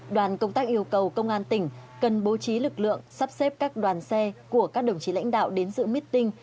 đoàn công tác yêu cầu công an tỉnh cần bố trí lực lượng sắp xếp các đoàn xe của các đồng chí lãnh đạo đến dự meeting